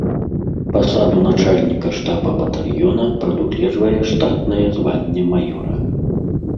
Пасаду начальніка штаба батальёна прадугледжвае штатнае званне маёра.